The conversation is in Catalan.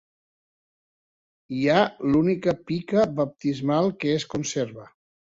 Hi ha l'única pica baptismal que es conserva.